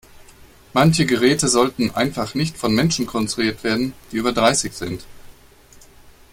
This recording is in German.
Manche Geräte sollten einfach nicht von Menschen konstruiert werden, die über dreißig sind.